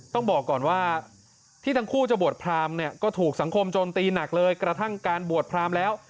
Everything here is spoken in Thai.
ต้องบอกก่อนว่าที่ทั้งคู่จะบวชพรามเนี่ยก็ถูกสังคมโจมตีหนักเลยกระทั่งการบวชพรามแล้ว